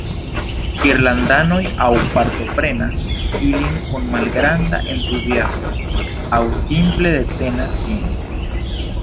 Irlandanoj aŭ partoprenas ilin kun malgranda entuziasmo aŭ simple detenas sin.